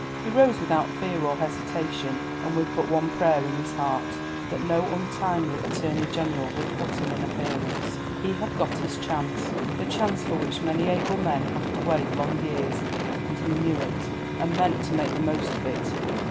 He rose without fear or hesitation, and with but one prayer in his heart, that no untimely Attorney General would put in an appearance. He had got his chance, the chance for which many able men have to wait long years, and he knew it, and meant to make the most of it.